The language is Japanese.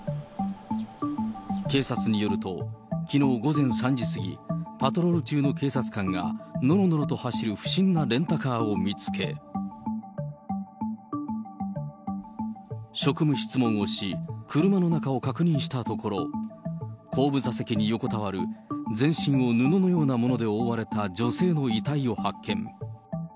警察によると、きのう午前３時過ぎ、パトロール中の警察官が、のろのろと走る不審なレンタカーを見つけ、職務質問をし、車の中を確認したところ、後部座席に横たわる全身を布のようなもので覆われた女性の遺体を発見。